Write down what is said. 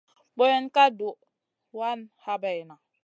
Boyen ka duh wa habayna.